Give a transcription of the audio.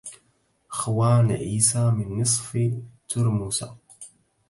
خوان عيسى من نصف ترمسة